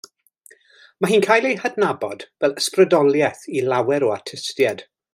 Mae hi'n cael ei hadnabod fel ysbrydoliaeth i lawer o artistiaid.